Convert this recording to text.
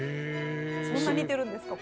そんな似てるんですか？